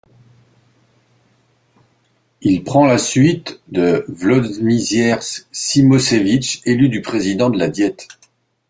Il prend la suite de Włodzimierz Cimoszewicz, élu président de la Diète.